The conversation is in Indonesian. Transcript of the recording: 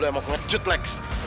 lu emang wajut lex